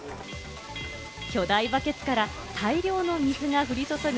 巨大バケツから大量の水が降り注ぐ